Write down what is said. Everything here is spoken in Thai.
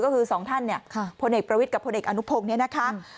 ก็คือสองท่านเนี่ยพลเอกประวิทย์กับพลเอกอนุพงศ์เนี่ยนะคะ